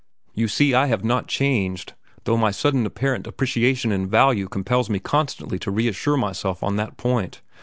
You see I have not changed, though my sudden apparent appreciation in value compels me constantly to reassure myself on that point.